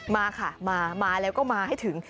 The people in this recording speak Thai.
มาค่ะมามาแล้วก็มาให้ถึง